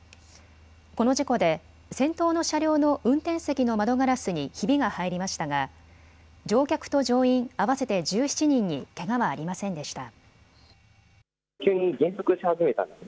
この事故で先頭の車両の運転席の窓ガラスにひびが入りましたが乗客と乗員、合わせて１７人にけがはありませんでした。